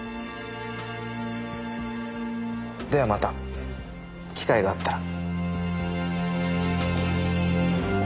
ではまた機会があったら。